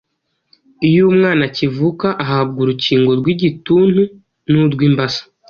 Iyo umwana akivuka ahabwa urukingo rw’igituntu n’urw’imbasa.